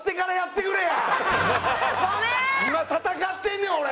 今戦ってんねん俺！